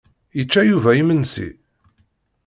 Yečča Yuba imensi?